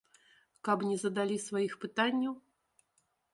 Каб не задалі сваіх пытанняў?